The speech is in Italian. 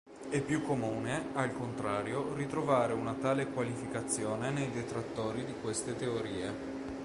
È più comune, al contrario, ritrovare una tale qualificazione nei detrattori di queste teorie.